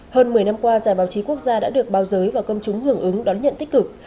hơn một mươi năm qua giải báo chí quốc gia đã được báo giới và công chúng hưởng ứng đón nhận tích cực